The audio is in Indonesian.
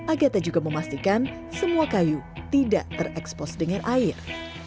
agatha juga memastikan semua kayu tidak terekspos dengan air